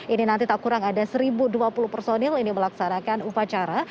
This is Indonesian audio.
ini nanti tak kurang ada satu dua puluh personil ini melaksanakan upacara